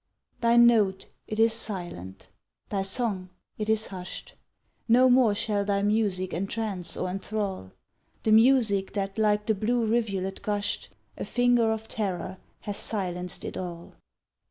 Thy note it is silent, thy song it is hushed, No more shall thy music entrance or enthral, The music that like the blue rivulet gushed, A finger of terror has silenced it all.